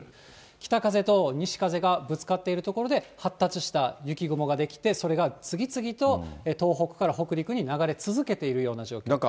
北風と西風がぶつかっている所で、発達した雪雲が出来て、それが次々と東北から北陸に流れ続けているような状況です。